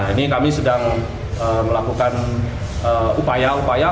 ini kami sedang melakukan upaya upaya